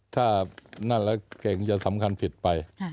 ถ้านั่นแหละเก่งจะสำคัญผิดไป